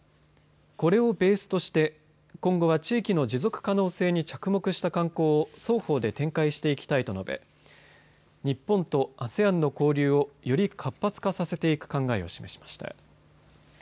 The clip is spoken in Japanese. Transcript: これをベースとして今後は地域の持続可能性に着目した観光を双方で展開していきたいと述べ日本とＡＳＥＡＮの交流をより活発化させていく考えを示しました。